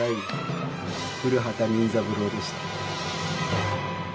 古畑任三郎でした。